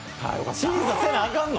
審査さなあかんの？